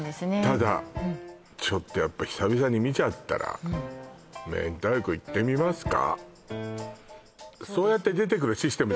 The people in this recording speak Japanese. ただちょっとやっぱり久々に見ちゃったら明太子いってみますか？